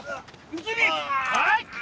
はい！